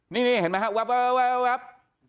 นี่เห็นไหมครับแว๊บ